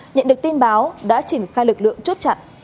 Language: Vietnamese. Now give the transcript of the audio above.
nhận được tin báo đã triển khai lực lượng chốt chặn